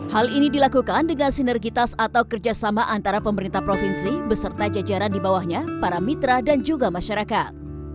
hal ini dilakukan dengan sinergitas atau kerjasama antara pemerintah provinsi beserta jajaran di bawahnya para mitra dan juga masyarakat